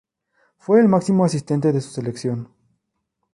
Fue el máximo asistente de su selección.